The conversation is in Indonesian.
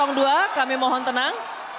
yang dua kami mohon tenang